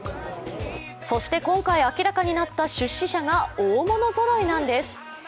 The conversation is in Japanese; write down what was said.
そして今回明らかになった出資者が大物ぞろいなんです。